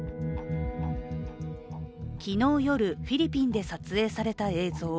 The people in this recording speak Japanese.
昨日夜、フィリピンで撮影された映像。